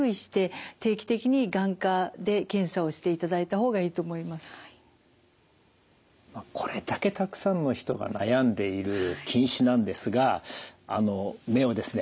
そしてこれだけたくさんの人が悩んでいる近視なんですがあの目をですね